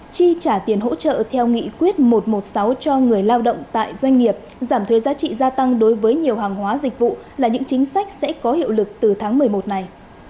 chi trả tiền hỗ trợ theo nghị quyết một trăm một mươi sáu cho người lao động tại doanh nghiệp giảm thuê giá trị gia tăng đối với nhiều hàng hóa dịch vụ là những chính sách sẽ có hiệu lực từ tháng một mươi một này